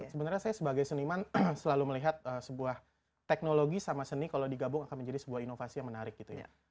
sebenarnya saya sebagai seniman selalu melihat sebuah teknologi sama seni kalau digabung akan menjadi sebuah inovasi yang menarik gitu ya